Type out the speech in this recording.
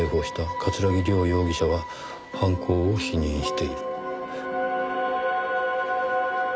「桂木涼容疑者は犯行を否認している」。